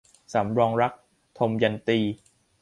สำรองรัก - ทมยันตี